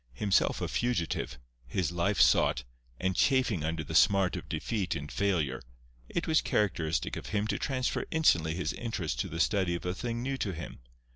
Himself a fugitive, his life sought, and chafing under the smart of defeat and failure, it was characteristic of him to transfer instantly his interest to the study of a thing new to him.